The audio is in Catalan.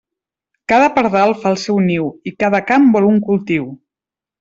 Cada pardal fa el seu niu i cada camp vol un cultiu.